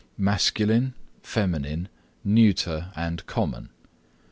masculine, feminine, neuter and common.